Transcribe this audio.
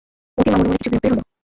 মোতির মা মনে মনে কিছু বিরক্তই হল।